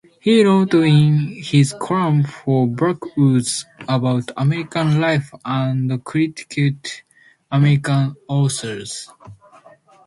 He wrote in his column for "Blackwood's" about American life and critiqued American authors.